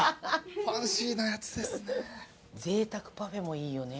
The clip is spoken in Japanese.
ファンシーなやつですね。